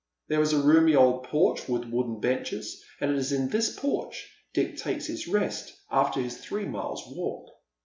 There is a roomy old porch with wooden benches, and it is in this porch Dick takes his rest after his three miles walk.